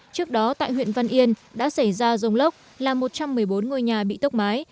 trước đó tại huyện văn yên đã xảy ra dông lốc làm một trăm một mươi bốn ngôi nhà bị tốc mái